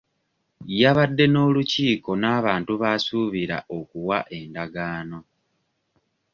Yabadde n'olukiiko n'abantu b'asuubira okuwa endagaano.